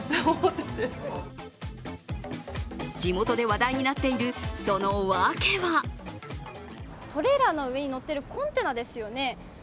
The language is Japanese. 地元で話題になっているその訳はトレーラーの上に乗っているコンテナですよね。